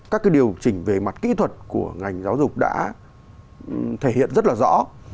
các cái điều chỉnh về mặt kỹ thuật của ngành giáo dục đã thể hiện rất là rõ